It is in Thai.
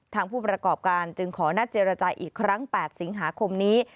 ผู้ประกอบการจึงขอนัดเจรจาอีกครั้ง๘สิงหาคมนี้